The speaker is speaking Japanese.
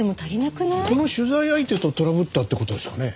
この取材相手とトラブったって事ですかね？